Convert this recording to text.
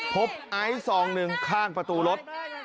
พบไอซ์๒๑ข้างประตูรถ